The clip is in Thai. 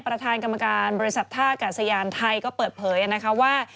ประธานกรรมการบริษัทท่ากาศยานไทยก็เปิดเผยนะคะว่า